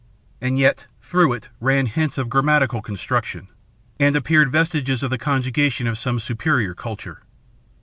And yet, through it ran hints of grammatical construction, and appeared vestiges of the conjugation of some superior culture.